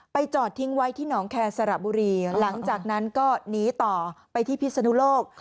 จอดทิ้งไว้ที่หนองแคร์สระบุรีหลังจากนั้นก็หนีต่อไปที่พิศนุโลก